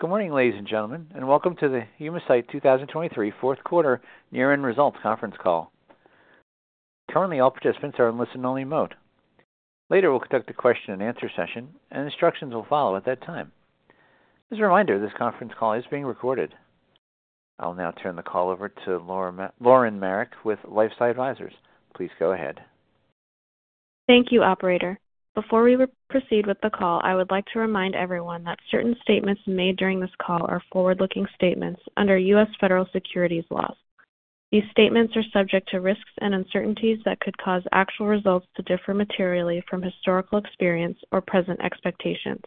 Good morning, ladies and gentlemen, and welcome to the Humacyte 2023 Fourth Quarter Year-End Results Conference Call. Currently, all participants are in listen-only mode. Later, we'll conduct a question-and-answer session, and instructions will follow at that time. As a reminder, this conference call is being recorded. I'll now turn the call over to Lauren Marek with LifeSci Advisors. Please go ahead. Thank you, operator. Before we proceed with the call, I would like to remind everyone that certain statements made during this call are forward-looking statements under U.S. federal securities laws. These statements are subject to risks and uncertainties that could cause actual results to differ materially from historical experience or present expectations.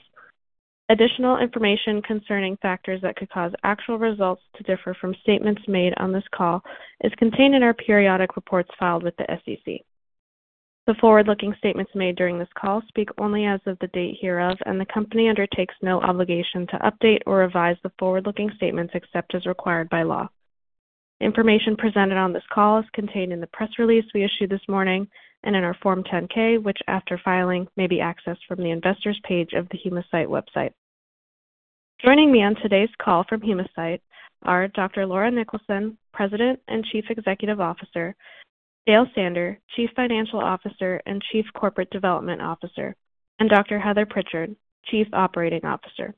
Additional information concerning factors that could cause actual results to differ from statements made on this call is contained in our periodic reports filed with the SEC. The forward-looking statements made during this call speak only as of the date hereof, and the company undertakes no obligation to update or revise the forward-looking statements except as required by law. Information presented on this call is contained in the press release we issued this morning and in our Form 10-K, which, after filing, may be accessed from the investors' page of the Humacyte website. Joining me on today's call from Humacyte are Dr. Laura Niklason, President and Chief Executive Officer, Dale Sander, Chief Financial Officer and Chief Corporate Development Officer, and Dr. Heather Prichard, Chief Operating Officer.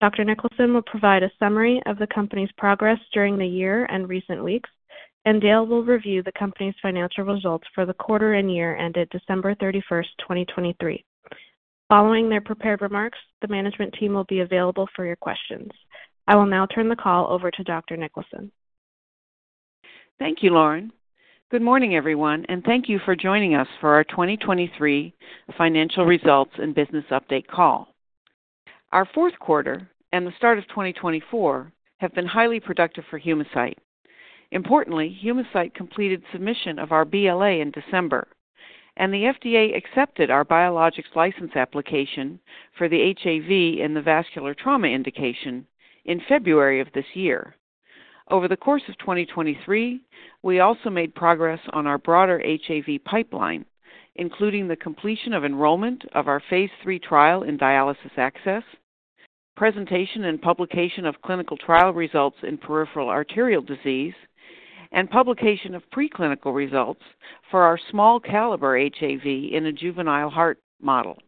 Dr. Niklason will provide a summary of the company's progress during the year and recent weeks, and Dale will review the company's financial results for the quarter and year ended December 31st, 2023. Following their prepared remarks, the management team will be available for your questions. I will now turn the call over to Dr. Niklason. Thank you, Lauren. Good morning, everyone, and thank you for joining us for our 2023 financial results and business update call. Our fourth quarter and the start of 2024 have been highly productive for Humacyte. Importantly, Humacyte completed submission of our BLA in December, and the FDA accepted our biologics license application for the HAV in the vascular trauma indication in February of this year. Over the course of 2023, we also made progress on our broader HAV pipeline, including the completion of enrollment of our phase III trial in dialysis access, presentation and publication of clinical trial results in peripheral arterial disease, and publication of preclinical results for our small-caliber HAV in a juvenile heart model.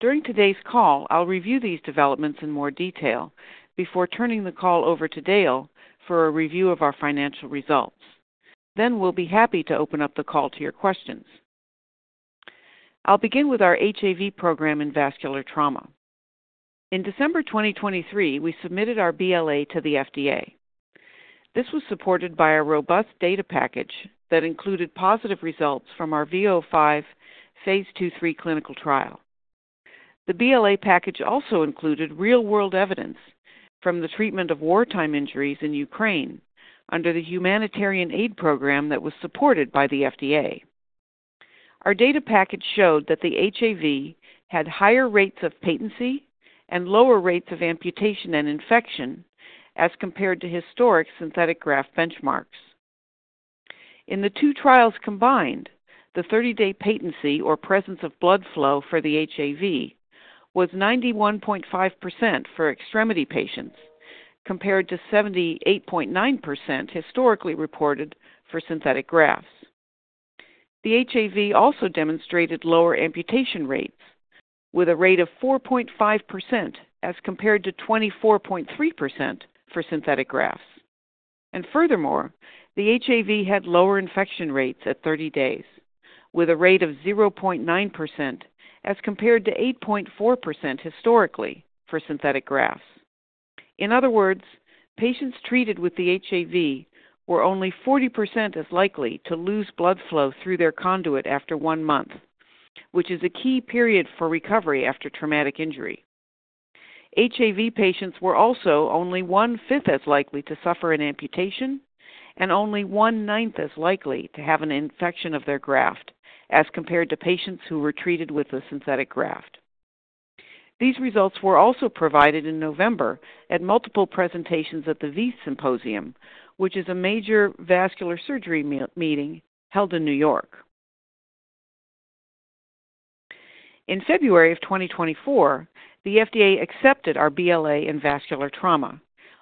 During today's call, I'll review these developments in more detail before turning the call over to Dale for a review of our financial results. Then we'll be happy to open up the call to your questions. I'll begin with our HAV program in vascular trauma. In December 2023, we submitted our BLA to the FDA. This was supported by a robust data package that included positive results from our V005 phase II/III clinical trial. The BLA package also included real-world evidence from the treatment of wartime injuries in Ukraine under the humanitarian aid program that was supported by the FDA. Our data package showed that the HAV had higher rates of patency and lower rates of amputation and infection as compared to historic synthetic graft benchmarks. In the two trials combined, the 30-day patency or presence of blood flow for the HAV was 91.5% for extremity patients, compared to 78.9% historically reported for synthetic grafts. The HAV also demonstrated lower amputation rates, with a rate of 4.5% as compared to 24.3% for synthetic grafts. Furthermore, the HAV had lower infection rates at 30 days, with a rate of 0.9% as compared to 8.4% historically for synthetic grafts. In other words, patients treated with the HAV were only 40% as likely to lose blood flow through their conduit after one month, which is a key period for recovery after traumatic injury. HAV patients were also only 1/5 as likely to suffer an amputation and only 1/9 as likely to have an infection of their graft as compared to patients who were treated with the synthetic graft. These results were also provided in November at multiple presentations at the VEITHsymposium, which is a major vascular surgery meeting held in New York. In February of 2024, the FDA accepted our BLA in vascular trauma,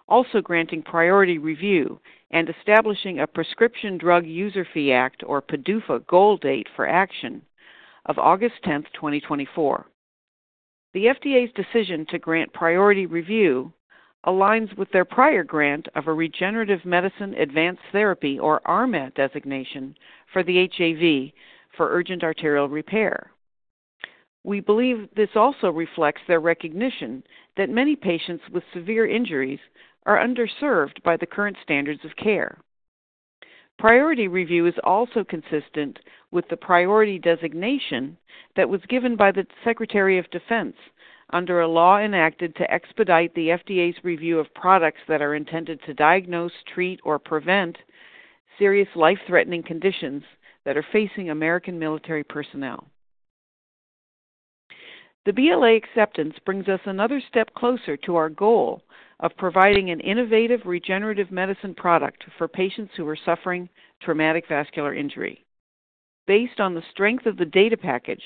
also granting priority review and establishing a Prescription Drug User Fee Act, or PDUFA, goal date for action of August 10th, 2024. The FDA's decision to grant priority review aligns with their prior grant of a Regenerative Medicine Advanced Therapy, or RMAT, designation for the HAV for urgent arterial repair. We believe this also reflects their recognition that many patients with severe injuries are underserved by the current standards of care. Priority review is also consistent with the priority designation that was given by the Secretary of Defense under a law enacted to expedite the FDA's review of products that are intended to diagnose, treat, or prevent serious life-threatening conditions that are facing American military personnel. The BLA acceptance brings us another step closer to our goal of providing an innovative regenerative medicine product for patients who are suffering traumatic vascular injury. Based on the strength of the data package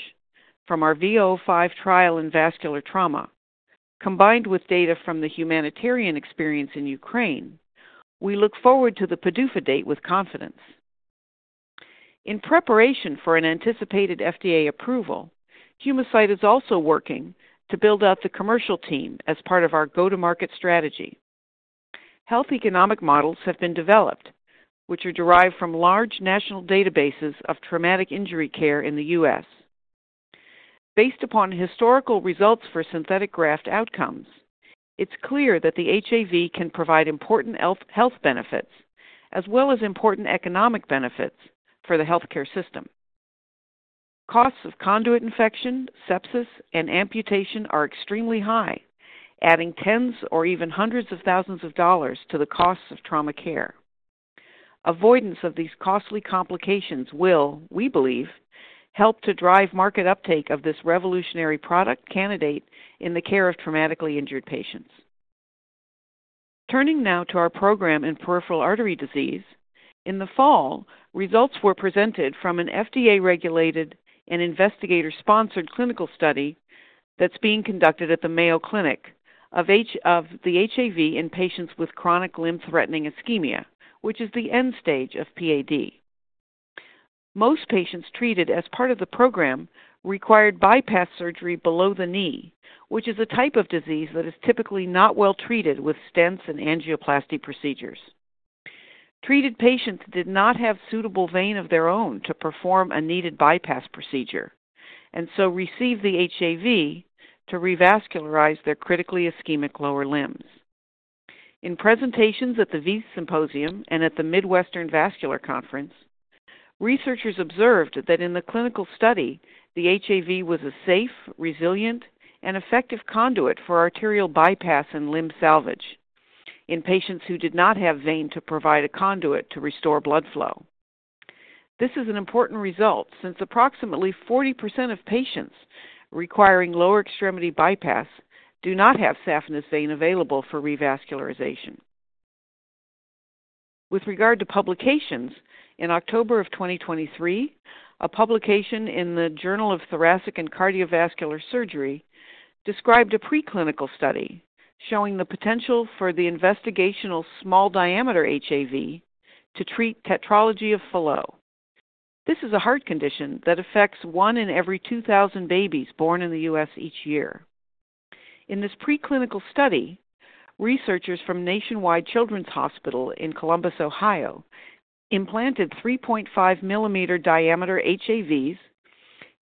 from our V005 trial in vascular trauma, combined with data from the humanitarian experience in Ukraine, we look forward to the PDUFA date with confidence. In preparation for an anticipated FDA approval, Humacyte is also working to build out the commercial team as part of our go-to-market strategy. Health economic models have been developed, which are derived from large national databases of traumatic injury care in the U.S. Based upon historical results for synthetic graft outcomes, it's clear that the HAV can provide important clinical health benefits as well as important economic benefits for the healthcare system. Costs of conduit infection, sepsis, and amputation are extremely high, adding tens or even 100,000 of dollars to the costs of trauma care. Avoidance of these costly complications will, we believe, help to drive market uptake of this revolutionary product candidate in the care of traumatically injured patients. Turning now to our program in peripheral artery disease, in the fall, results were presented from an FDA-regulated and investigator-sponsored clinical study that's being conducted at the Mayo Clinic of the HAV in patients with chronic limb-threatening ischemia, which is the end stage of PAD. Most patients treated as part of the program required bypass surgery below the knee, which is a type of disease that is typically not well treated with stents and angioplasty procedures. Treated patients did not have suitable vein of their own to perform a needed bypass procedure and so received the HAV to revascularize their critically ischemic lower limbs. In presentations at the VEITHsymposium and at the Midwestern Vascular Conference, researchers observed that in the clinical study, the HAV was a safe, resilient, and effective conduit for arterial bypass and limb salvage in patients who did not have vein to provide a conduit to restore blood flow. This is an important result since approximately 40% of patients requiring lower extremity bypass do not have saphenous vein available for revascularization. With regard to publications, in October of 2023, a publication in the Journal of Thoracic and Cardiovascular Surgery described a preclinical study showing the potential for the investigational small-diameter HAV to treat tetralogy of Fallot. This is a heart condition that affects one in every 2,000 babies born in the U.S. each year. In this preclinical study, researchers from Nationwide Children's Hospital in Columbus, Ohio, implanted 3.5-millimeter-diameter HAVs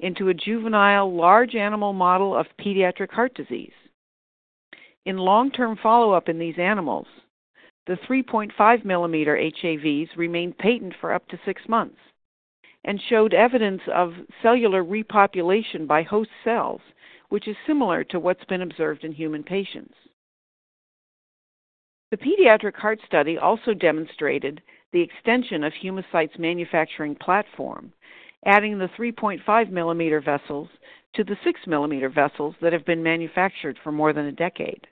into a juvenile large-animal model of pediatric heart disease. In long-term follow-up in these animals, the 3.5-millimeter HAVs remained patent for up to six months and showed evidence of cellular repopulation by host cells, which is similar to what's been observed in human patients. The pediatric heart study also demonstrated the extension of Humacyte's manufacturing platform, adding the 3.5-millimeter vessels to the six-millimeter vessels that have been manufactured for more than a decade.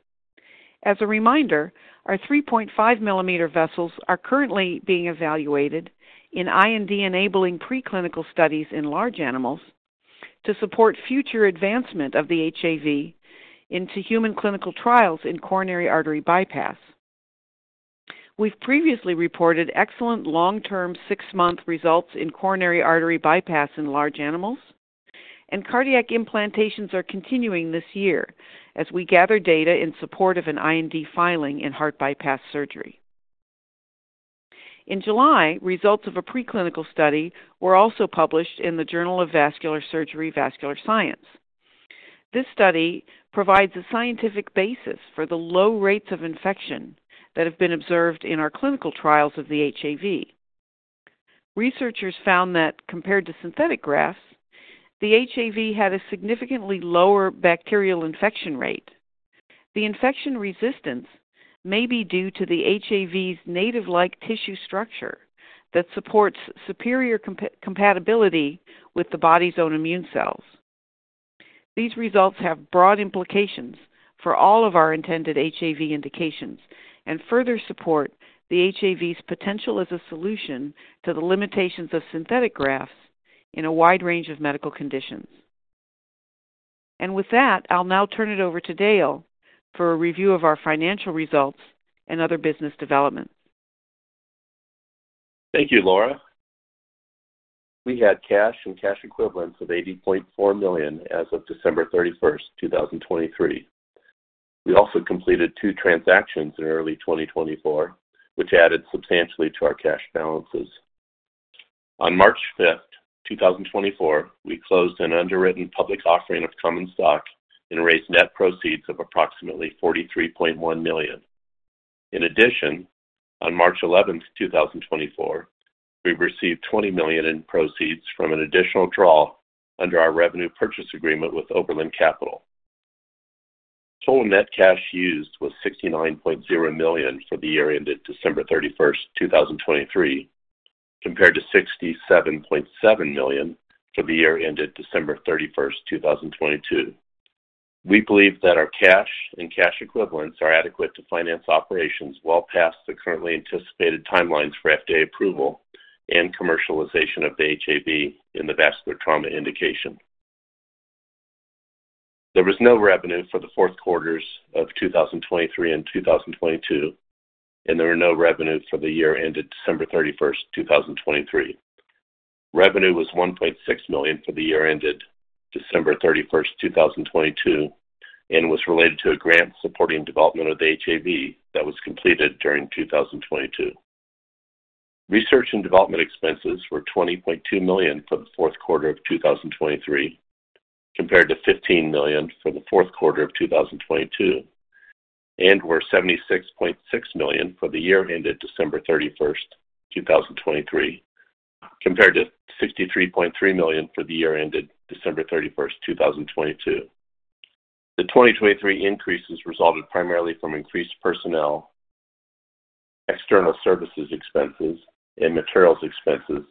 As a reminder, our 3.5-millimeter vessels are currently being evaluated in IND-enabling preclinical studies in large animals to support future advancement of the HAV into human clinical trials in coronary artery bypass. We've previously reported excellent long-term six-month results in coronary artery bypass in large animals, and cardiac implantations are continuing this year as we gather data in support of an IND filing in heart bypass surgery. In July, results of a preclinical study were also published in the Journal of Vascular Surgery Vascular Science. This study provides a scientific basis for the low rates of infection that have been observed in our clinical trials of the HAV. Researchers found that, compared to synthetic grafts, the HAV had a significantly lower bacterial infection rate. The infection resistance may be due to the HAV's native-like tissue structure that supports superior compatibility with the body's own immune cells. These results have broad implications for all of our intended HAV indications and further support the HAV's potential as a solution to the limitations of synthetic grafts in a wide range of medical conditions. With that, I'll now turn it over to Dale for a review of our financial results and other business developments. Thank you, Laura. We had cash and cash equivalents of $80.4 million as of December 31st, 2023. We also completed two transactions in early 2024, which added substantially to our cash balances. On March 5th, 2024, we closed an underwritten public offering of common stock and raised net proceeds of approximately $43.1 million. In addition, on March 11th, 2024, we received $20 million in proceeds from an additional draw under our revenue purchase agreement with Oberland Capital. Total net cash used was $69.0 million for the year ended December 31st, 2023, compared to $67.7 million for the year ended December 31st, 2022. We believe that our cash and cash equivalents are adequate to finance operations well past the currently anticipated timelines for FDA approval and commercialization of the HAV in the vascular trauma indication. There was no revenue for the fourth quarters of 2023 and 2022, and there were no revenues for the year ended December 31st, 2023. Revenue was $1.6 million for the year ended December 31st, 2022, and was related to a grant supporting development of the HAV that was completed during 2022. Research and development expenses were $20.2 million for the fourth quarter of 2023, compared to $15 million for the fourth quarter of 2022, and were $76.6 million for the year ended December 31st, 2023, compared to $63.3 million for the year ended December 31st, 2022. The 2023 increases resulted primarily from increased personnel, external services expenses, and materials expenses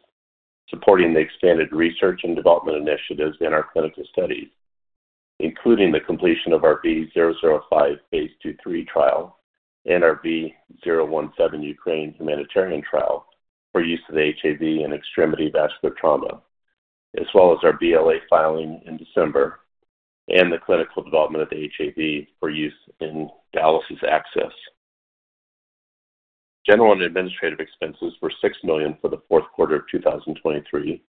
supporting the expanded research and development initiatives in our clinical studies, including the completion of our V005 phase II/III trial and our V017 Ukraine humanitarian trial for use of the HAV in extremity vascular trauma, as well as our BLA filing in December and the clinical development of the HAV for use in dialysis access. General and administrative expenses were $6 million for the fourth quarter of 2023,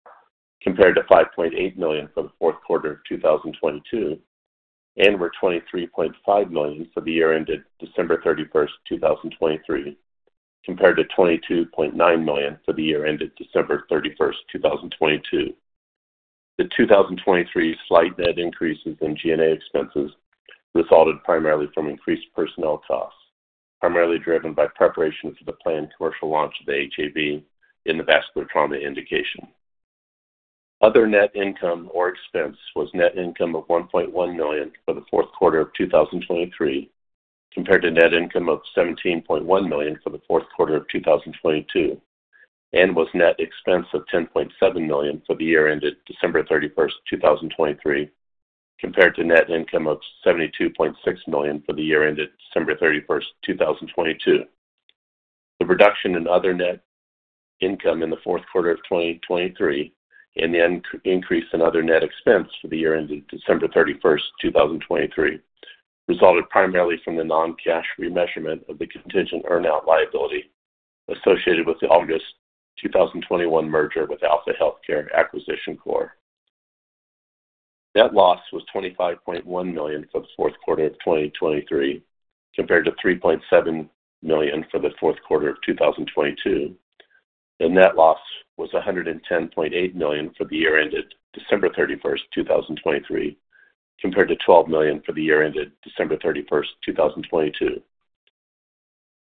compared to $5.8 million for the fourth quarter of 2022, and were $23.5 million for the year ended December 31st, 2023, compared to $22.9 million for the year ended December 31st, 2022. The 2023 slight net increases in G&A expenses resulted primarily from increased personnel costs, primarily driven by preparation for the planned commercial launch of the HAV in the vascular trauma indication. Other net income or expense was net income of $1.1 million for the fourth quarter of 2023, compared to net income of $17.1 million for the fourth quarter of 2022, and was net expense of $10.7 million for the year ended December 31st, 2023, compared to net income of $72.6 million for the year ended December 31st, 2022. The reduction in other net income in the fourth quarter of 2023 and the increase in other net expense for the year ended December 31st, 2023, resulted primarily from the non-cash remeasurement of the contingent earnout liability associated with the August 2021 merger with Alpha Healthcare Acquisition Corp. Net loss was $25.1 million for the fourth quarter of 2023, compared to $3.7 million for the fourth quarter of 2022, and net loss was $110.8 million for the year ended December 31st, 2023, compared to $12 million for the year ended December 31st, 2022.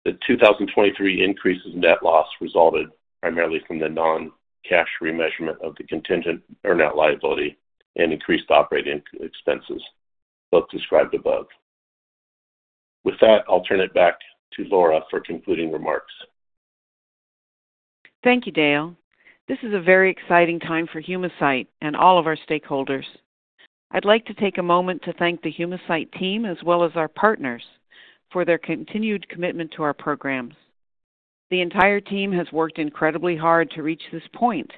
The 2023 increase in net loss resulted primarily from the non-cash remeasurement of the contingent earnout liability and increased operating expenses, both described above. With that, I'll turn it back to Laura for concluding remarks. Thank you, Dale. This is a very exciting time for Humacyte and all of our stakeholders. I'd like to take a moment to thank the Humacyte team as well as our partners for their continued commitment to our programs. The entire team has worked incredibly hard to reach this point,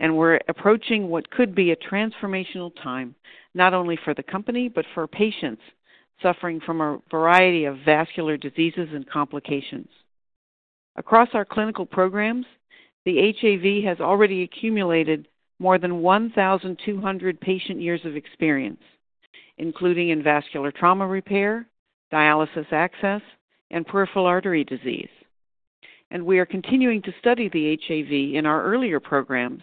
and we're approaching what could be a transformational time not only for the company but for patients suffering from a variety of vascular diseases and complications. Across our clinical programs, the HAV has already accumulated more than 1,200 patient years of experience, including in vascular trauma repair, dialysis access, and peripheral artery disease. We are continuing to study the HAV in our earlier programs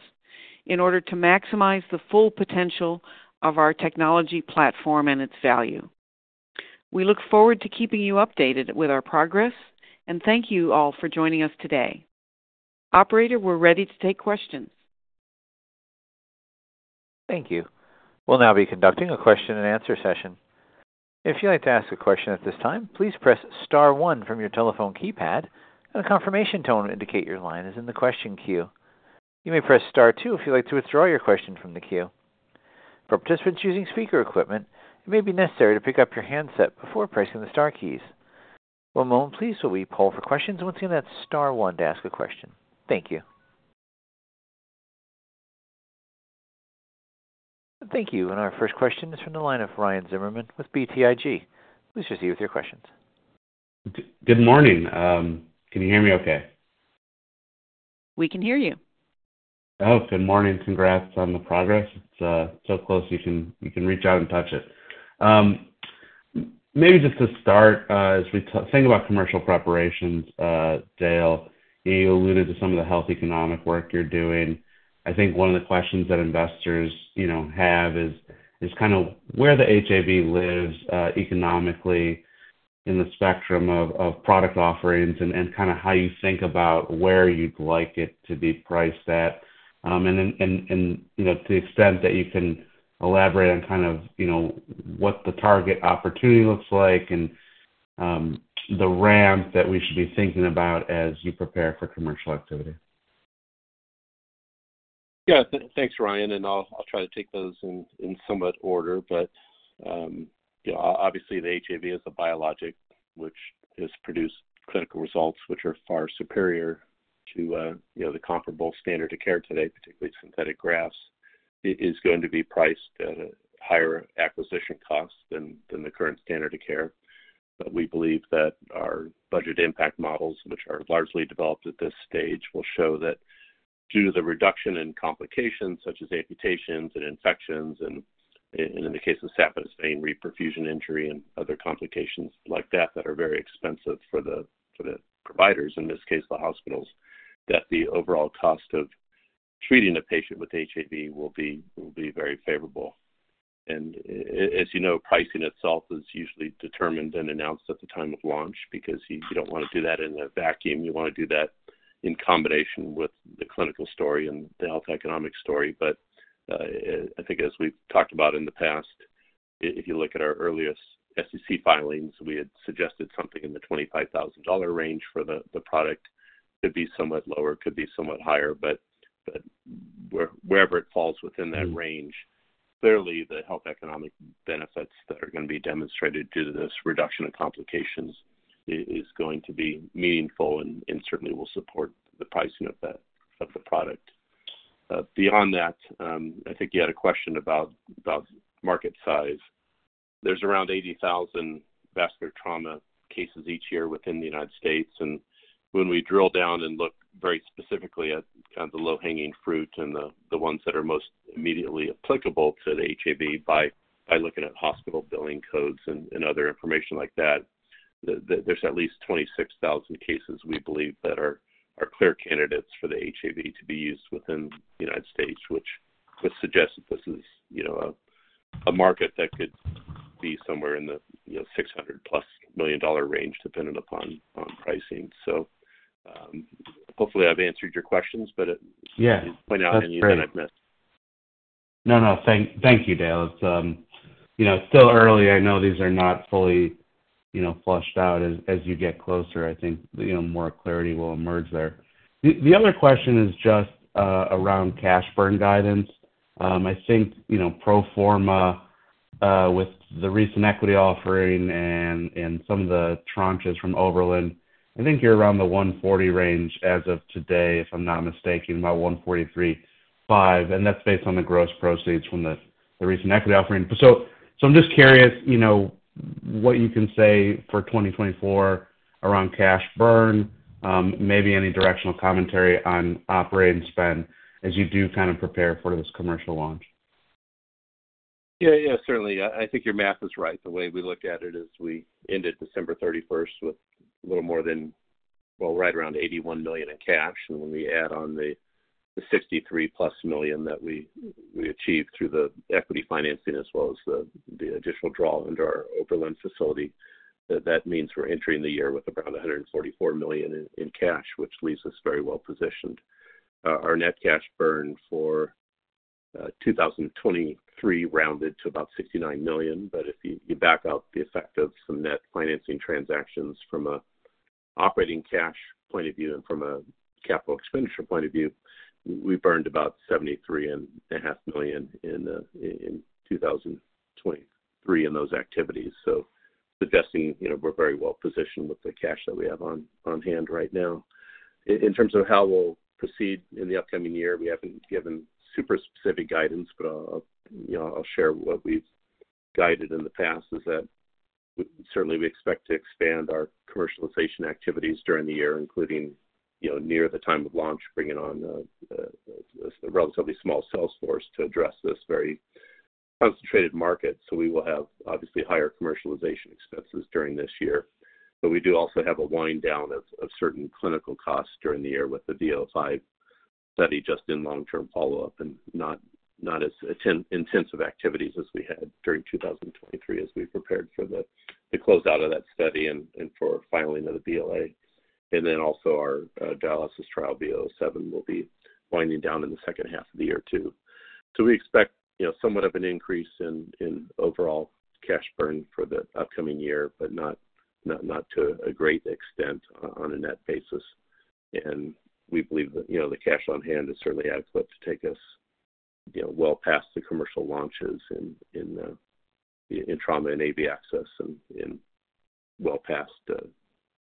in order to maximize the full potential of our technology platform and its value. We look forward to keeping you updated with our progress, and thank you all for joining us today. Operator, we're ready to take questions. Thank you. We'll now be conducting a question-and-answer session. If you'd like to ask a question at this time, please press star one from your telephone keypad, and a confirmation tone will indicate your line is in the question queue. You may press star two if you'd like to withdraw your question from the queue. For participants using speaker equipment, it may be necessary to pick up your handset before pressing the star keys. One moment, please, while we poll for questions and we'll send that star one to ask a question. Thank you. Thank you. Our first question is from the line of Ryan Zimmerman with BTIG. Please proceed with your questions. Good morning. Can you hear me okay? We can hear you. Oh, good morning. Congrats on the progress. It's so close you can reach out and touch it. Maybe just to start, as we think about commercial preparations, Dale, you alluded to some of the health economic work you're doing. I think one of the questions that investors have is kind of where the HAV lives economically in the spectrum of product offerings and kind of how you think about where you'd like it to be priced at. And to the extent that you can elaborate on kind of what the target opportunity looks like and the ramp that we should be thinking about as you prepare for commercial activity. Yeah. Thanks, Ryan. And I'll try to take those in somewhat order. But obviously, the HAV is a biologic, which has produced clinical results which are far superior to the comparable standard of care today, particularly synthetic grafts. It is going to be priced at a higher acquisition cost than the current standard of care. We believe that our budget impact models, which are largely developed at this stage, will show that due to the reduction in complications such as amputations and infections and, in the case of saphenous vein reperfusion injury and other complications like that that are very expensive for the providers, in this case, the hospitals, that the overall cost of treating a patient with HAV will be very favorable. As you know, pricing itself is usually determined and announced at the time of launch because you don't want to do that in a vacuum. You want to do that in combination with the clinical story and the health economic story. But I think, as we've talked about in the past, if you look at our earliest SEC filings, we had suggested something in the $25,000 range for the product. Could be somewhat lower. Could be somewhat higher. But wherever it falls within that range, clearly, the health economic benefits that are going to be demonstrated due to this reduction in complications is going to be meaningful and certainly will support the pricing of the product. Beyond that, I think you had a question about market size. There's around 80,000 vascular trauma cases each year within the United States. When we drill down and look very specifically at kind of the low-hanging fruit and the ones that are most immediately applicable to the HAV by looking at hospital billing codes and other information like that, there's at least 26,000 cases, we believe, that are clear candidates for the HAV to be used within the United States, which suggests that this is a market that could be somewhere in the $600+ million range dependent upon pricing. So hopefully, I've answered your questions, but point out anything I've missed. No, no. Thank you, Dale. It's still early. I know these are not fully fleshed out. As you get closer, I think more clarity will emerge there. The other question is just around cash burn guidance. I think pro forma, with the recent equity offering and some of the tranches from Oberland, I think you're around the $140 range as of today, if I'm not mistaken, about $143.5. And that's based on the gross proceeds from the recent equity offering. So I'm just curious what you can say for 2024 around cash burn, maybe any directional commentary on operating spend as you do kind of prepare for this commercial launch. Yeah, yeah, certainly. I think your math is right. The way we looked at it is we ended December 31st with a little more than, well, right around $81 million in cash. And when we add on the $63+ million that we achieved through the equity financing as well as the additional draw into our Oberland facility, that means we're entering the year with around $144 million in cash, which leaves us very well positioned. Our net cash burn for 2023 rounded to about $69 million. But if you back out the effect of some net financing transactions from an operating cash point of view and from a capital expenditure point of view, we burned about $73.5 million in 2023 in those activities. So suggesting we're very well positioned with the cash that we have on hand right now. In terms of how we'll proceed in the upcoming year, we haven't given super specific guidance, but I'll share what we've guided in the past is that certainly, we expect to expand our commercialization activities during the year, including near the time of launch, bringing on a relatively small sales force to address this very concentrated market. So we will have, obviously, higher commercialization expenses during this year. We do also have a wind down of certain clinical costs during the year with the V005 study just in long-term follow-up and not as intensive activities as we had during 2023 as we prepared for the closeout of that study and for filing of the BLA. Then also, our dialysis trial V007 will be winding down in the second half of the year too. We expect somewhat of an increase in overall cash burn for the upcoming year, but not to a great extent on a net basis. We believe that the cash on hand is certainly adequate to take us well past the commercial launches in trauma and AV access and well past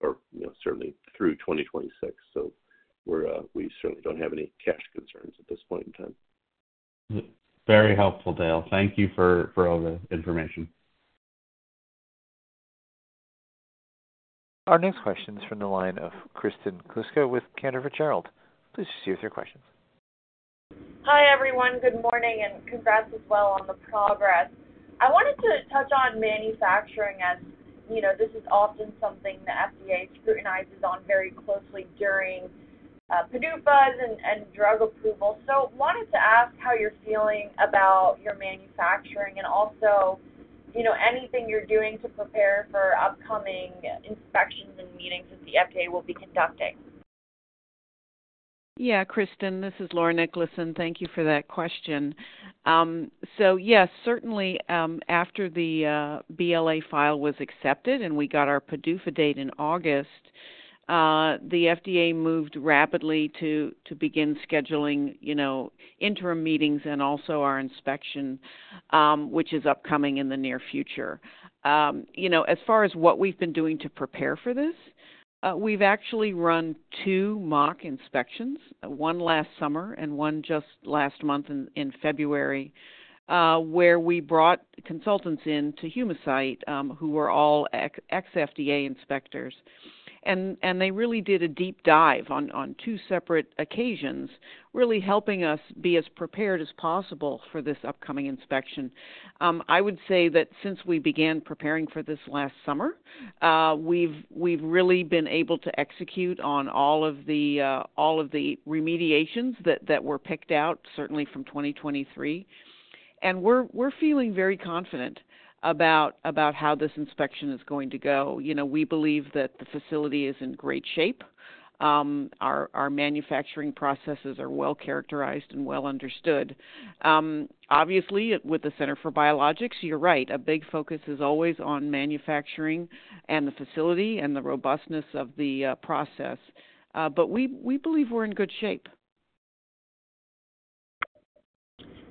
or certainly through 2026. We certainly don't have any cash concerns at this point in time. Very helpful, Dale. Thank you for all the information. Our next question is from the line of Kristen Kluska with Cantor Fitzgerald. Please proceed with your questions. Hi, everyone. Good morning and congrats as well on the progress. I wanted to touch on manufacturing as this is often something the FDA scrutinizes on very closely during PDUFAs and drug approval. So wanted to ask how you're feeling about your manufacturing and also anything you're doing to prepare for upcoming inspections and meetings that the FDA will be conducting. Yeah, Kristen. This is Laura Niklason. Thank you for that question. So yes, certainly, after the BLA file was accepted and we got our PDUFA date in August, the FDA moved rapidly to begin scheduling interim meetings and also our inspection, which is upcoming in the near future. As far as what we've been doing to prepare for this, we've actually run two mock inspections, one last summer and one just last month in February, where we brought consultants in to Humacyte who were all ex-FDA inspectors. And they really did a deep dive on two separate occasions, really helping us be as prepared as possible for this upcoming inspection. I would say that since we began preparing for this last summer, we've really been able to execute on all of the remediations that were picked out, certainly from 2023. We're feeling very confident about how this inspection is going to go. We believe that the facility is in great shape. Our manufacturing processes are well characterized and well understood. Obviously, with the Center for Biologics, you're right, a big focus is always on manufacturing and the facility and the robustness of the process. We believe we're in good shape.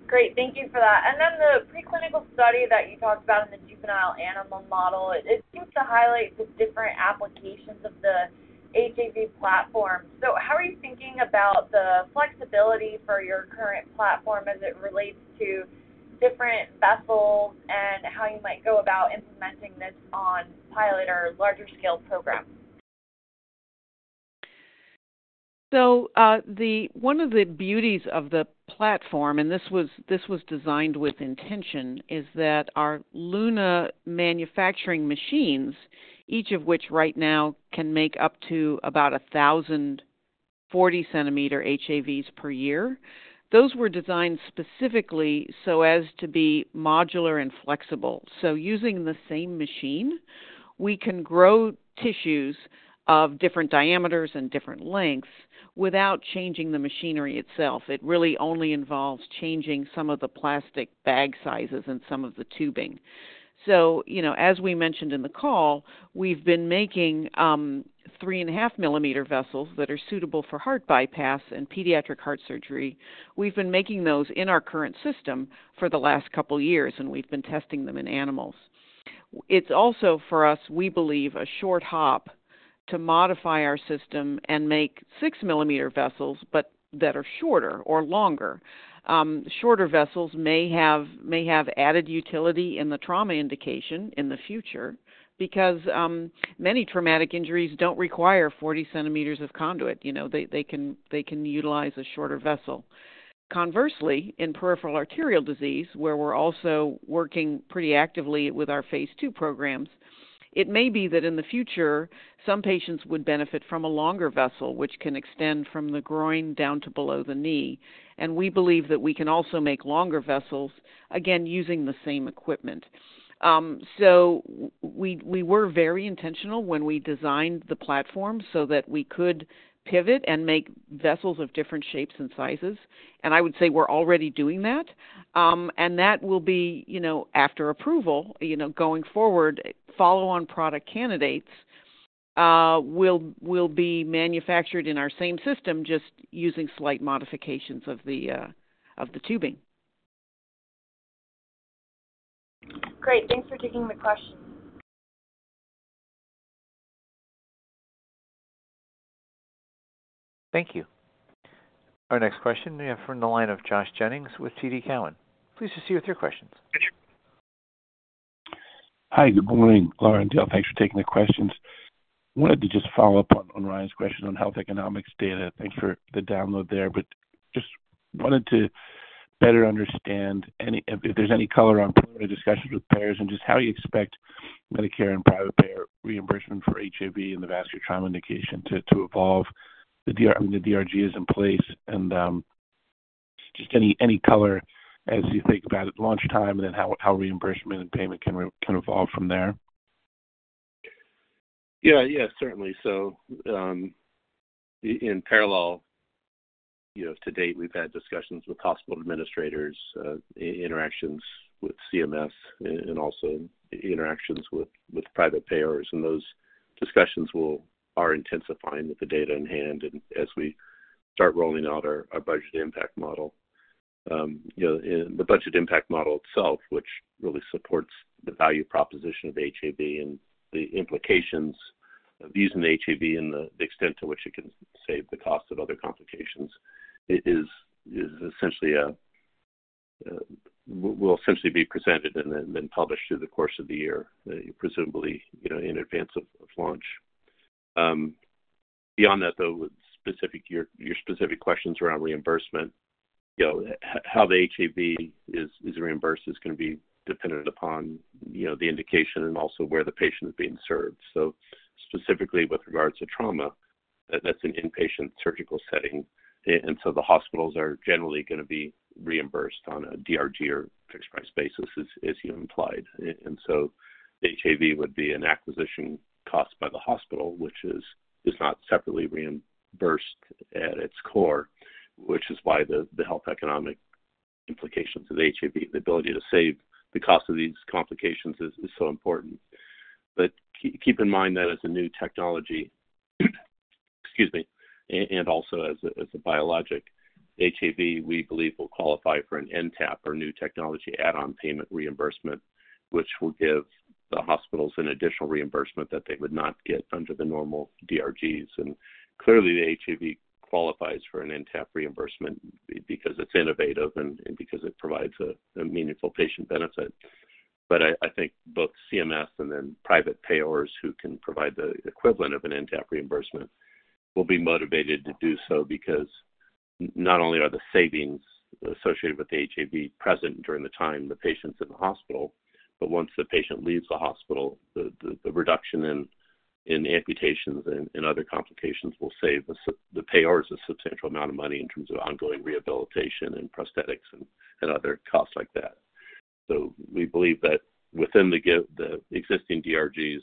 Great. Thank you for that. And then the preclinical study that you talked about in the juvenile animal model, it seems to highlight the different applications of the HAV platform. So how are you thinking about the flexibility for your current platform as it relates to different vessels and how you might go about implementing this on pilot or larger-scale programs? So one of the beauties of the platform, and this was designed with intention, is that our LUNA manufacturing machines, each of which right now can make up to about 1,000 40-centimeter HAVs per year, those were designed specifically so as to be modular and flexible. So using the same machine, we can grow tissues of different diameters and different lengths without changing the machinery itself. It really only involves changing some of the plastic bag sizes and some of the tubing. So as we mentioned in the call, we've been making 3.5-millimeter vessels that are suitable for heart bypass and pediatric heart surgery. We've been making those in our current system for the last couple of years, and we've been testing them in animals. It's also for us, we believe, a short hop to modify our system and make six-millimeter vessels but that are shorter or longer. Shorter vessels may have added utility in the trauma indication in the future because many traumatic injuries don't require 40 centimeters of conduit. They can utilize a shorter vessel. Conversely, in peripheral arterial disease, where we're also working pretty actively with our phase II programs, it may be that in the future, some patients would benefit from a longer vessel, which can extend from the groin down to below the knee. And we believe that we can also make longer vessels, again, using the same equipment. So we were very intentional when we designed the platform so that we could pivot and make vessels of different shapes and sizes. And I would say we're already doing that. And that will be after approval. Going forward, follow-on product candidates will be manufactured in our same system just using slight modifications of the tubing. Great. Thanks for taking the question. Thank you. Our next question we have from the line of Josh Jennings with TD Cowen. Please proceed with your questions. Hi. Good morning, Laura and Dale. Thanks for taking the questions. Wanted to just follow up on Ryan's question on health economics data. Thanks for the download there. But just wanted to better understand if there's any color on prior discussions with payers and just how you expect Medicare and private payer reimbursement for HAV and the vascular trauma indication to evolve. I mean, the DRG is in place. And just any color as you think about at launch time and then how reimbursement and payment can evolve from there. Yeah, yeah, certainly. So in parallel, to date, we've had discussions with hospital administrators, interactions with CMS, and also interactions with private payers. And those discussions are intensifying with the data in hand as we start rolling out our budget impact model. The budget impact model itself, which really supports the value proposition of HAV and the implications of using the HAV and the extent to which it can save the cost of other complications, will essentially be presented and then published through the course of the year, presumably in advance of launch. Beyond that, though, your specific questions around reimbursement, how the HAV is reimbursed is going to be dependent upon the indication and also where the patient is being served. So specifically with regards to trauma, that's an inpatient surgical setting. And so the hospitals are generally going to be reimbursed on a DRG or fixed-price basis, as you implied. And so HAV would be an acquisition cost by the hospital, which is not separately reimbursed at its core, which is why the health economic implications of the HAV, the ability to save the cost of these complications, is so important. But keep in mind that as a new technology, excuse me, and also as a biologic, HAV, we believe, will qualify for an NTAP, or New Technology Add-On Payment Reimbursement, which will give the hospitals an additional reimbursement that they would not get under the normal DRGs. And clearly, the HAV qualifies for an NTAP reimbursement because it's innovative and because it provides a meaningful patient benefit. But I think both CMS and then private payers who can provide the equivalent of an NTAP reimbursement will be motivated to do so because not only are the savings associated with the HAV present during the time the patient's in the hospital, but once the patient leaves the hospital, the reduction in amputations and other complications will save the payers a substantial amount of money in terms of ongoing rehabilitation and prosthetics and other costs like that. So we believe that within the existing DRGs,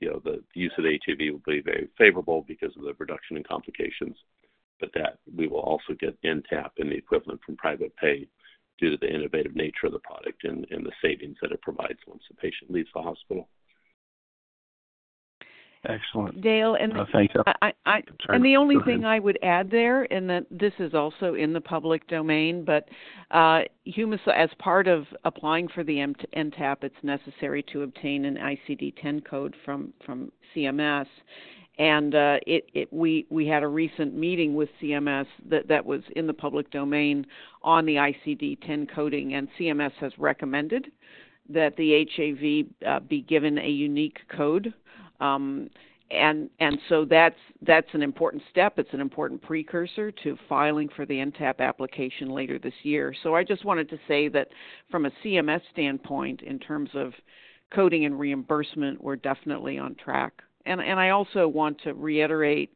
the use of the HAV will be very favorable because of the reduction in complications. But that we will also get NTAP and the equivalent from private pay due to the innovative nature of the product and the savings that it provides once the patient leaves the hospital. Excellent. Dale, and the only thing I would add there, and this is also in the public domain, but as part of applying for the NTAP, it's necessary to obtain an ICD-10 code from CMS. And we had a recent meeting with CMS that was in the public domain on the ICD-10 coding. And CMS has recommended that the HAV be given a unique code. And so that's an important step. It's an important precursor to filing for the NTAP application later this year. So I just wanted to say that from a CMS standpoint, in terms of coding and reimbursement, we're definitely on track. And I also want to reiterate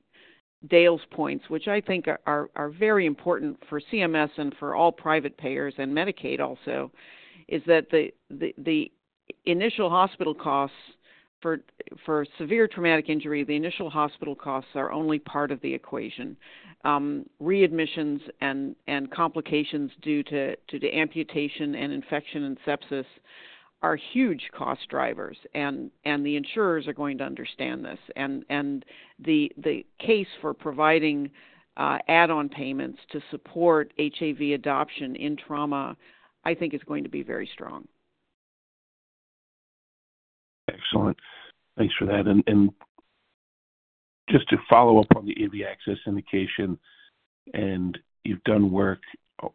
Dale's points, which I think are very important for CMS and for all private payers and Medicaid also, is that the initial hospital costs for severe traumatic injury, the initial hospital costs are only part of the equation. Readmissions and complications due to amputation and infection and sepsis are huge cost drivers. The insurers are going to understand this. The case for providing add-on payments to support HAV adoption in trauma, I think, is going to be very strong. Excellent. Thanks for that. Just to follow up on the AV access indication, and you've done work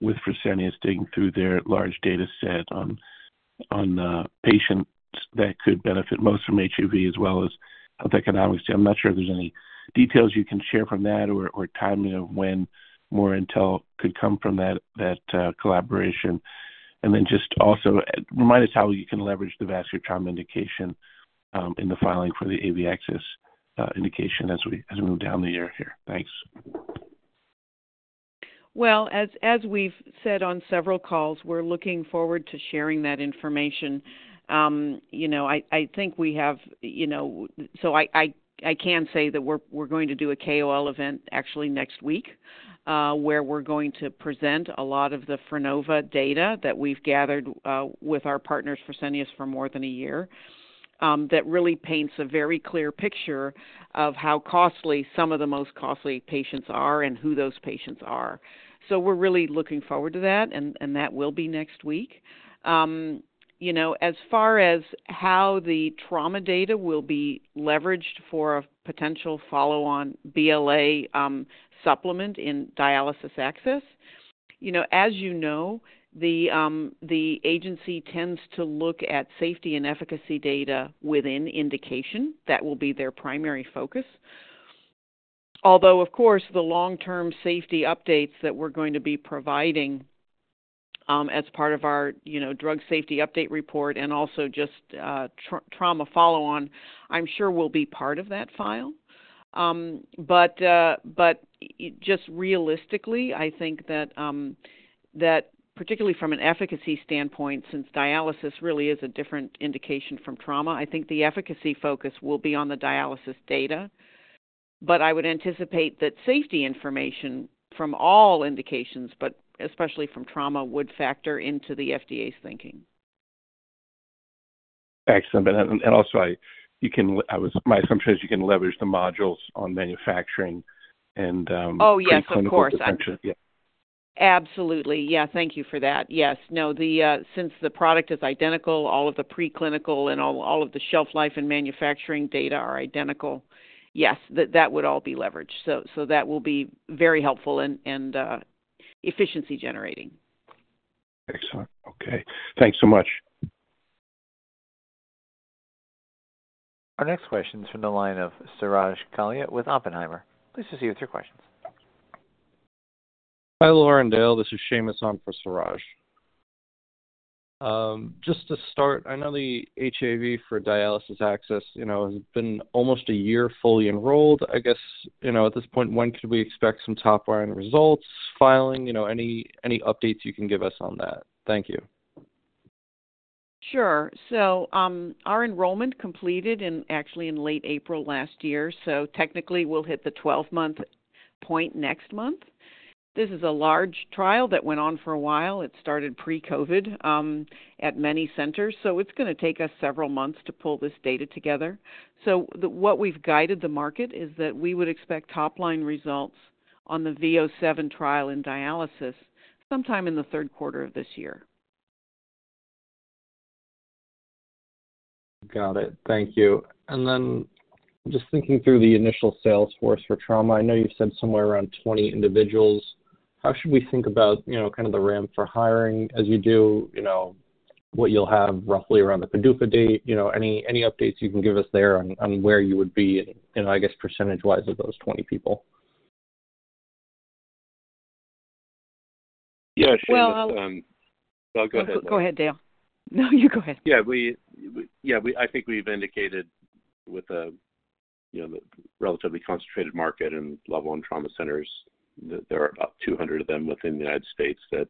with Fresenius digging through their large dataset on patients that could benefit most from HAV as well as health economics. I'm not sure if there's any details you can share from that or timing of when more intel could come from that collaboration. Just also remind us how you can leverage the vascular trauma indication in the filing for the AV access indication as we move down the year here. Thanks. Well, as we've said on several calls, we're looking forward to sharing that information. I think we have so I can say that we're going to do a KOL event actually next week where we're going to present a lot of the Frenova data that we've gathered with our partners, Fresenius, for more than a year that really paints a very clear picture of how costly some of the most costly patients are and who those patients are. So we're really looking forward to that, and that will be next week. As far as how the trauma data will be leveraged for a potential follow-on BLA supplement in dialysis access, as you know, the agency tends to look at safety and efficacy data within indication. That will be their primary focus. Although, of course, the long-term safety updates that we're going to be providing as part of our drug safety update report and also just trauma follow-on, I'm sure will be part of that file. But just realistically, I think that particularly from an efficacy standpoint, since dialysis really is a different indication from trauma, I think the efficacy focus will be on the dialysis data. But I would anticipate that safety information from all indications, but especially from trauma, would factor into the FDA's thinking. Excellent. And also, my assumption is you can leverage the modules on manufacturing and clinical function. Oh, yes, of course. Absolutely. Yeah. Thank you for that. Yes. No, since the product is identical, all of the preclinical and all of the shelf life and manufacturing data are identical. Yes, that would all be leveraged. So that will be very helpful and efficiency-generating. Excellent. Okay. Thanks so much. Our next question is from the line of Suraj Kalia with Oppenheimer. Please proceed with your questions. Hi, Laura and Dale. This is Shamik Parikh for Suraj. Just to start, I know the HAV for dialysis access has been almost a year fully enrolled. I guess at this point, when could we expect some top-line results filing? Any updates you can give us on that? Thank you. Sure. So our enrollment completed actually in late April last year. So technically, we'll hit the 12-month point next month. This is a large trial that went on for a while. It started pre-COVID at many centers. So it's going to take us several months to pull this data together. So what we've guided the market is that we would expect top-line results on the V007 trial in dialysis sometime in the third quarter of this year. Got it. Thank you. And then just thinking through the initial sales force for trauma, I know you've said somewhere around 20 individuals. How should we think about kind of the ramp for hiring as you do what you'll have roughly around the PDUFA date? Any updates you can give us there on where you would be, I guess, percentage-wise of those 20 people? Yeah, Shamik. No, go ahead, Dale. Go ahead, Dale. No, you go ahead. Yeah. Yeah, I think we've indicated with a relatively concentrated market and level in trauma centers, there are about 200 of them within the United States, that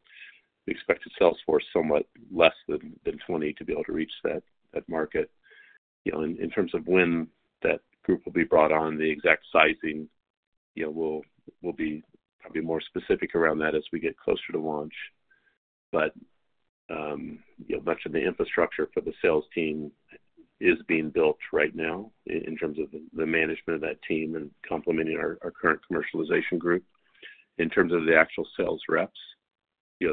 we expect a sales force somewhat less than 20 to be able to reach that market. In terms of when that group will be brought on, the exact sizing will be probably more specific around that as we get closer to launch. But much of the infrastructure for the sales team is being built right now in terms of the management of that team and complementing our current commercialization group. In terms of the actual sales reps,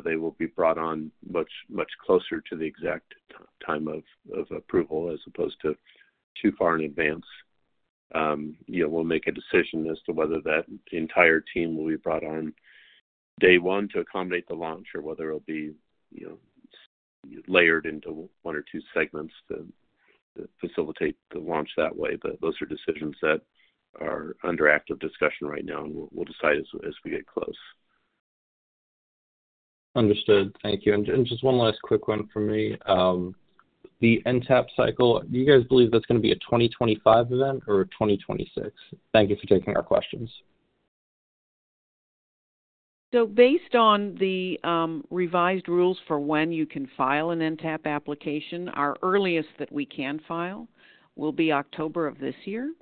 they will be brought on much closer to the exact time of approval as opposed to too far in advance. We'll make a decision as to whether that entire team will be brought on day one to accommodate the launch or whether it'll be layered into one or two segments to facilitate the launch that way. But those are decisions that are under active discussion right now, and we'll decide as we get close. Understood. Thank you. Just one last quick one from me. The NTAP cycle, do you guys believe that's going to be a 2025 event or a 2026? Thank you for taking our questions. So based on the revised rules for when you can file an NTAP application, our earliest that we can file will be October of this year.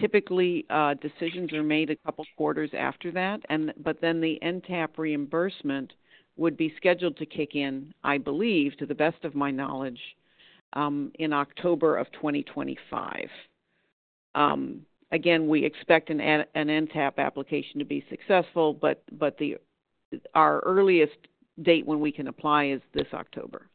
Typically, decisions are made a couple of quarters after that. But then the NTAP reimbursement would be scheduled to kick in, I believe, to the best of my knowledge, in October of 2025. Again, we expect an NTAP application to be successful, but our earliest date when we can apply is this October.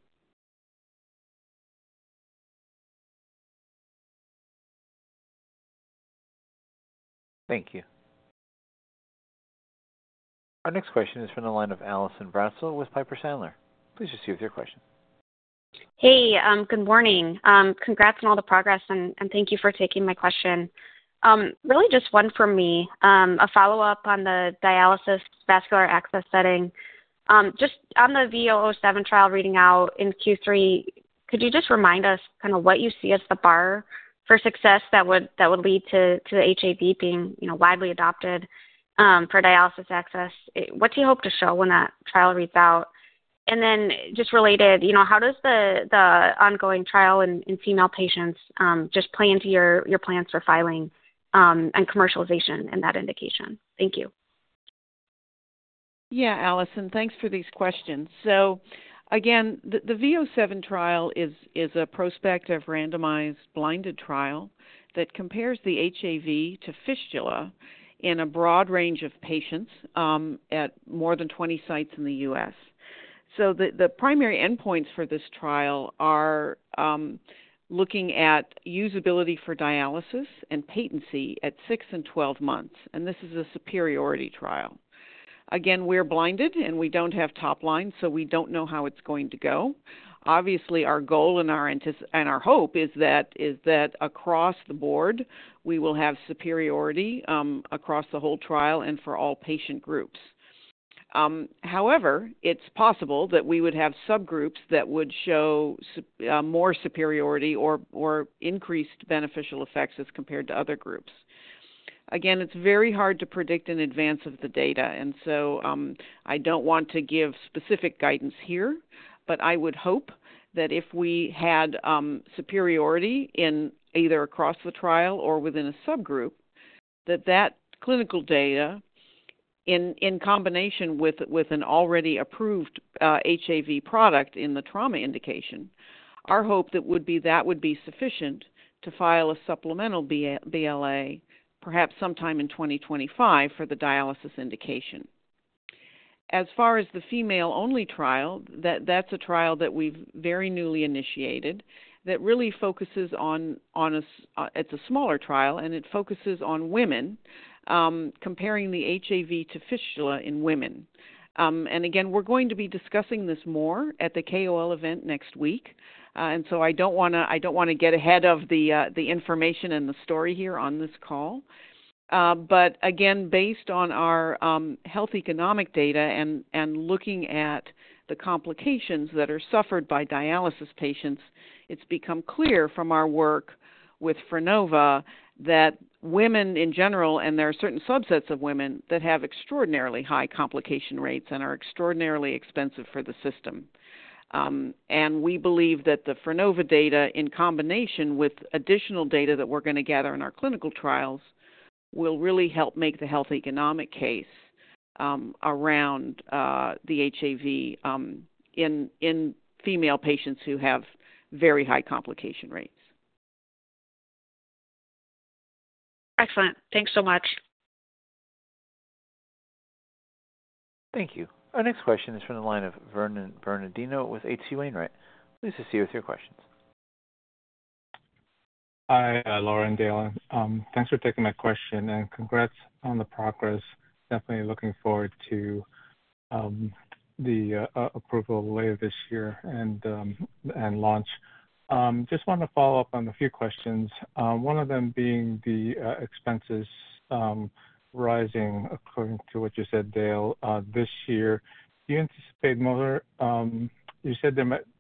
Thank you. Our next question is from the line of Allison Bratzel with Piper Sandler. Please proceed with your question. Hey, good morning. Congrats on all the progress, and thank you for taking my question. Really just one from me, a follow-up on the dialysis vascular access setting. Just on the V007 trial reading out in Q3, could you just remind us kind of what you see as the bar for success that would lead to the HAV being widely adopted for dialysis access? What do you hope to show when that trial reads out? And then just related, how does the ongoing trial in female patients just play into your plans for filing and commercialization in that indication? Thank you. Yeah, Alison, thanks for these questions. So again, the V007 trial is a prospective randomized blinded trial that compares the HAV to fistula in a broad range of patients at more than 20 sites in the U.S. So the primary endpoints for this trial are looking at usability for dialysis and patency at six and 12 months. And this is a superiority trial. Again, we're blinded, and we don't have top line, so we don't know how it's going to go. Obviously, our goal and our hope is that across the board, we will have superiority across the whole trial and for all patient groups. However, it's possible that we would have subgroups that would show more superiority or increased beneficial effects as compared to other groups. Again, it's very hard to predict in advance of the data. And so I don't want to give specific guidance here, but I would hope that if we had superiority either across the trial or within a subgroup, that that clinical data, in combination with an already approved HAV product in the trauma indication, our hope that would be that would be sufficient to file a supplemental BLA perhaps sometime in 2025 for the dialysis indication. As far as the female-only trial, that's a trial that we've very newly initiated that really focuses on it's a smaller trial, and it focuses on women comparing the HAV to fistula in women. And again, we're going to be discussing this more at the KOL event next week. And so I don't want to I don't want to get ahead of the information and the story here on this call. Again, based on our health economic data and looking at the complications that are suffered by dialysis patients, it's become clear from our work with Frenova that women in general and there are certain subsets of women that have extraordinarily high complication rates and are extraordinarily expensive for the system. We believe that the Frenova data, in combination with additional data that we're going to gather in our clinical trials, will really help make the health economic case around the HAV in female patients who have very high complication rates. Excellent. Thanks so much. Thank you. Our next question is from the line of Vernon Bernardino with H.C. Wainwright. Please proceed with your questions. Hi, Laura and Dale. Thanks for taking my question, and congrats on the progress. Definitely looking forward to the approval later this year and launch. Just wanted to follow up on a few questions, one of them being the expenses rising according to what you said, Dale. This year, do you anticipate more? You said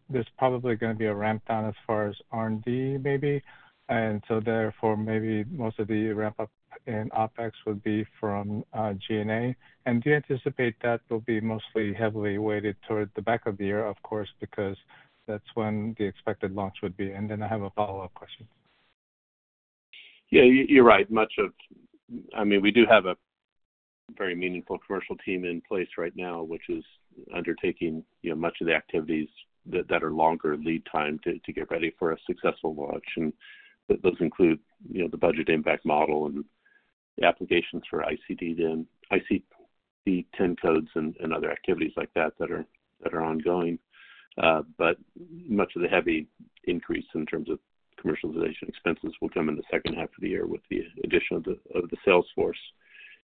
there's probably going to be a ramp down as far as R&D maybe. And so therefore, maybe most of the ramp-up in OpEx would be from G&A. And do you anticipate that will be mostly heavily weighted toward the back of the year, of course, because that's when the expected launch would be? And then I have a follow-up question. Yeah, you're right. I mean, we do have a very meaningful commercial team in place right now, which is undertaking much of the activities that are longer lead time to get ready for a successful launch. And those include the budget impact model and applications for ICD-10 codes and other activities like that that are ongoing. But much of the heavy increase in terms of commercialization expenses will come in the second half of the year with the addition of the sales force.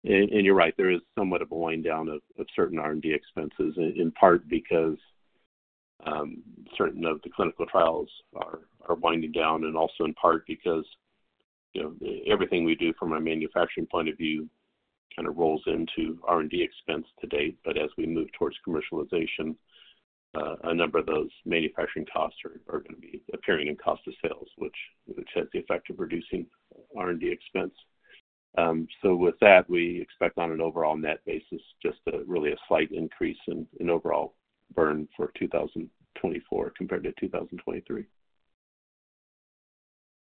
And you're right, there is somewhat of a wind-down of certain R&D expenses, in part because certain of the clinical trials are winding down, and also in part because everything we do from a manufacturing point of view kind of rolls into R&D expense to date. But as we move towards commercialization, a number of those manufacturing costs are going to be appearing in cost of sales, which has the effect of reducing R&D expense. So with that, we expect on an overall net basis just really a slight increase in overall burn for 2024 compared to 2023.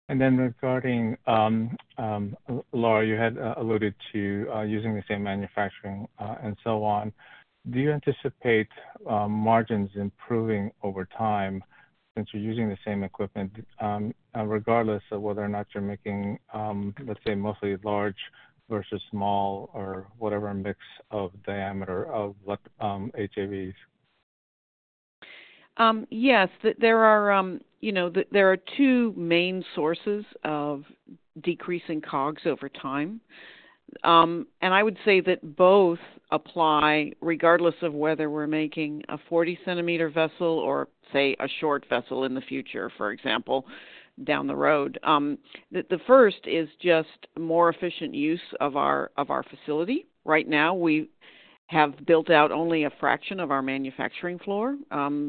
And then regarding Laura, you had alluded to using the same manufacturing and so on. Do you anticipate margins improving over time since you're using the same equipment regardless of whether or not you're making, let's say, mostly large versus small or whatever mix of diameter of HAVs? Yes. There are two main sources of decreasing COGS over time. I would say that both apply regardless of whether we're making a 40-centimeter vessel or, say, a short vessel in the future, for example, down the road. The first is just more efficient use of our facility. Right now, we have built out only a fraction of our manufacturing floor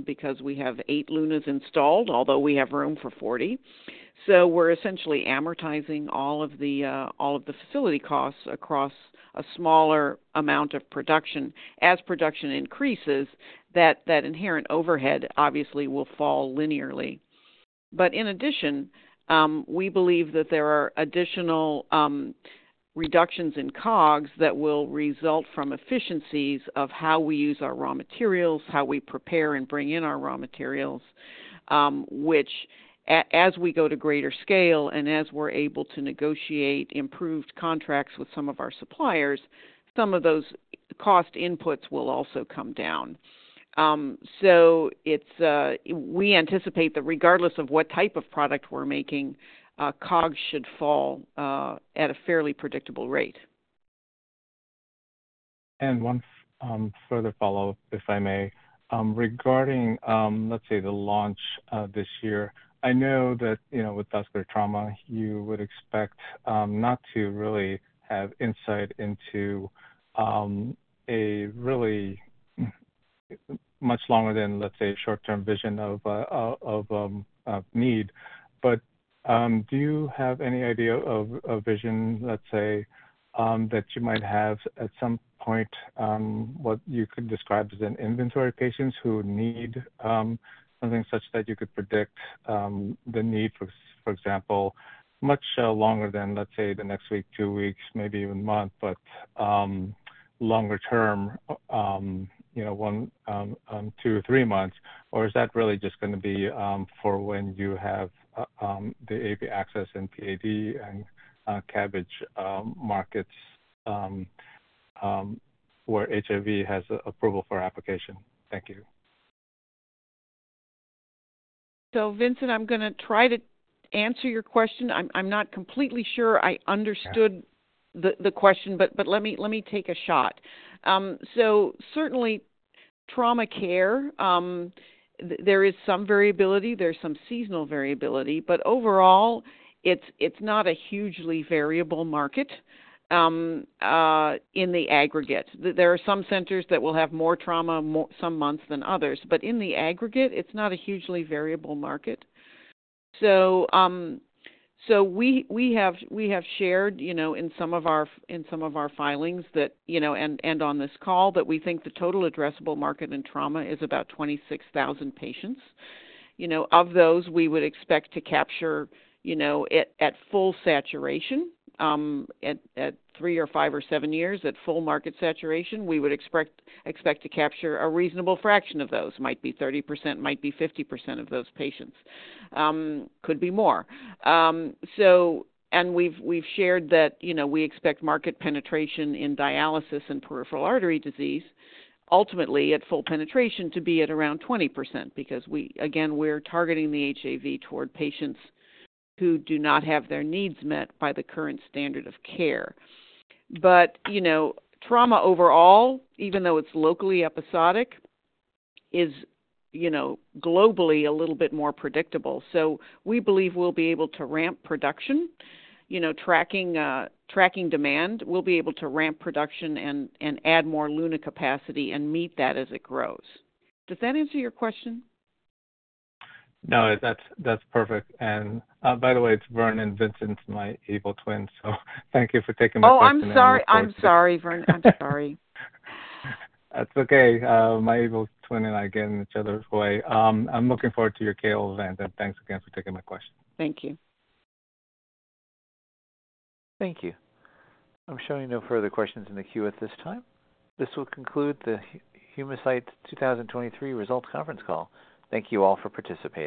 because we have eight LUNA's installed, although we have room for 40. We're essentially amortizing all of the facility costs across a smaller amount of production. As production increases, that inherent overhead obviously will fall linearly. In addition, we believe that there are additional reductions in COGS that will result from efficiencies of how we use our raw materials, how we prepare and bring in our raw materials, which as we go to greater scale and as we're able to negotiate improved contracts with some of our suppliers, some of those cost inputs will also come down. We anticipate that regardless of what type of product we're making, COGS should fall at a fairly predictable rate. One further follow-up, if I may. Regarding, let's say, the launch this year, I know that with vascular trauma, you would expect not to really have insight into a really much longer than, let's say, short-term vision of need. But do you have any idea of a vision, let's say, that you might have at some point what you could describe as an inventory of patients who need something such that you could predict the need for, for example, much longer than, let's say, the next week, two weeks, maybe even a month, but longer term, one, two, three months? Or is that really just going to be for when you have the AV access and PAD and CABG markets where HAV has approval for application? Thank you. So Vincent, I'm going to try to answer your question. I'm not completely sure I understood the question, but let me take a shot. So certainly, trauma care, there is some variability. There's some seasonal variability. But overall, it's not a hugely variable market in the aggregate. There are some centers that will have more trauma some months than others. But in the aggregate, it's not a hugely variable market. So we have shared in some of our filings and on this call that we think the total addressable market in trauma is about 26,000 patients. Of those, we would expect to capture at full saturation, at three or five or seven years, at full market saturation, we would expect to capture a reasonable fraction of those. Might be 30%, might be 50% of those patients. Could be more. And we've shared that we expect market penetration in dialysis and peripheral artery disease, ultimately at full penetration, to be at around 20% because, again, we're targeting the HAV toward patients who do not have their needs met by the current standard of care. But trauma overall, even though it's locally episodic, is globally a little bit more predictable. So we believe we'll be able to ramp production, tracking demand. We'll be able to ramp production and add more LUNA capacity and meet that as it grows. Does that answer your question? No, that's perfect. And by the way, it's Vernon and Vincent, my evil twins. So thank you for taking my question. Oh, I'm sorry. I'm sorry, Vernon. I'm sorry. That's okay. My evil twin and I get in each other's way. I'm looking forward to your KOL event, and thanks again for taking my question. Thank you. Thank you. I'm showing no further questions in the queue at this time. This will conclude the Humacyte 2023 results conference call. Thank you all for participating.